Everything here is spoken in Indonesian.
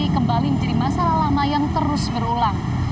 kembali menjadi masalah lama yang terus berulang